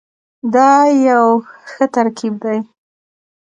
دا یو ښه ترکیب دی.